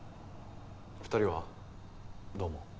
２人はどう思う？